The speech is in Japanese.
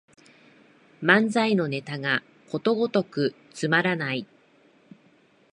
漫才のネタがことごとくつまらない